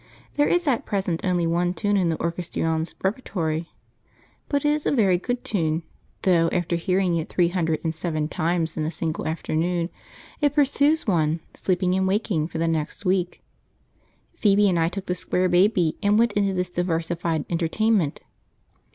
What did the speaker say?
There is at present only one tune in the orchestrion's repertory, but it is a very good tune; though after hearing it three hundred and seven times in a single afternoon, it pursues one, sleeping and waking, for the next week. Phoebe and I took the Square Baby and went in to this diversified entertainment.